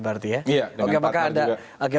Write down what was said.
berarti ya iya dengan partner juga